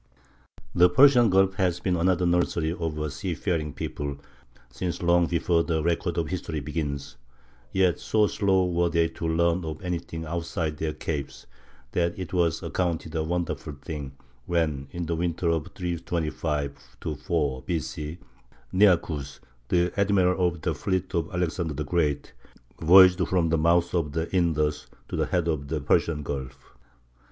The Persian Gulf has been another nursery of a seafaring people since long before the record of history begins; yet so slow were they to learn of anything outside their capes, that it was accounted a wonderful thing when, in the winter of 325 4 B. C., Nearchus, the admiral of the fleet of Alexander the Great, voyaged from the mouth of the Indus to the head of the Persian Gulf.